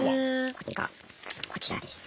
これがこちらですね。